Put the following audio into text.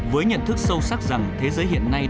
với nhận thức sâu sắc rằng thế giới hiện nay